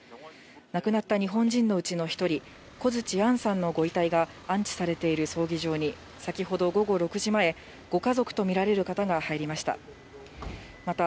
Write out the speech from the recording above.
亡くなった日本人のうちの１人、小槌杏さんのご遺体が安置されている葬儀場に、先ほど午後６時前、ご家族と見られる方が入りました。